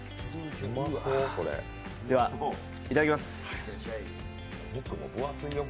では、いただきます。